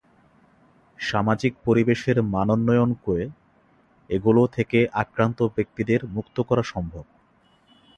সামাজিক পরিবেশের মানোন্নয়ন করে এগুলো থেকে আক্রান্ত ব্যক্তিদের মুক্ত করা সম্ভব।